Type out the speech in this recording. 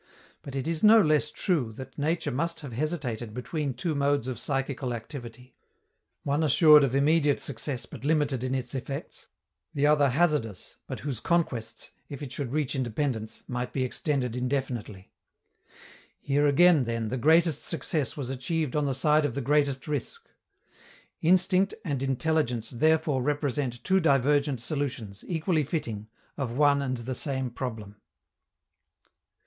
But it is no less true that nature must have hesitated between two modes of psychical activity one assured of immediate success, but limited in its effects; the other hazardous, but whose conquests, if it should reach independence, might be extended indefinitely. Here again, then, the greatest success was achieved on the side of the greatest risk. _Instinct and intelligence therefore represent two divergent solutions, equally fitting, of one and the same problem.